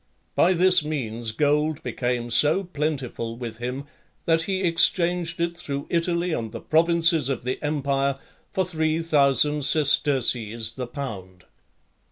By this means gold became so plentiful with him, that he exchanged it through Italy and the provinces of the empire for three thousand sesterces the pound.